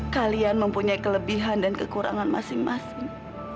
kalian mempunyai kelebihan dan kekurangan masing masing